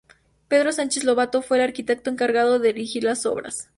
Pedro Sánchez Lobato fue el arquitecto encargado de dirigir las obras.